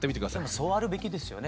でもそうあるべきですよね。